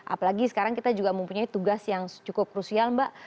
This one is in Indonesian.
apalagi sekarang kita juga mempunyai tugas yang cukup krusial mbak